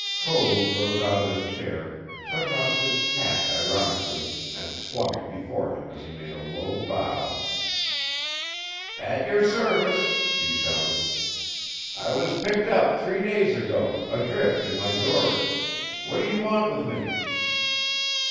_" Code rose out of his chair, took off his hat ironically, and swung it before him as he made a low bow. "At your service!" he shouted. "I was picked up three days ago, adrift in my dory. What do you want with me?"